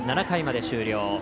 ７回まで終了。